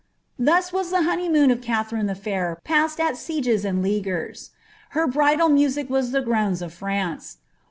Thus was the honeymoon of Katherine the Fair passed at sieges and leaguers ; her bridal music was the §rroans of France.